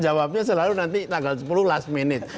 jawabnya selalu nanti tanggal sepuluh last minute